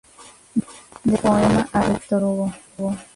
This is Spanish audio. Dedicó un poema a Victor Hugo.